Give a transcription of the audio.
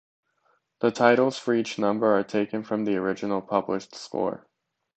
The titles for each number are taken from the original published score.